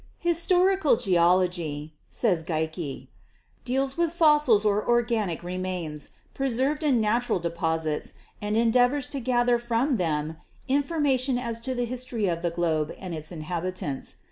"Historical geology," says Geikie, "deals with fossils or organic remains preserved in natural deposits and en deavors to gather from them information as to the history of the globe and its inhabitants.